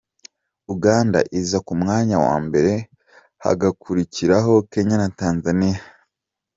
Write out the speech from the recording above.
Uganda iza ku mwanya wa mbere hagakurikiraho Kenya na Tanzania.